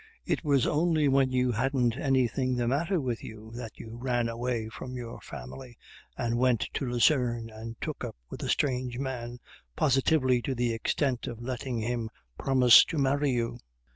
It was only when you hadn't anything the matter with you that you ran away from your family and went to Lucerne and took up with a strange man positively to the extent of letting him promise to marry you.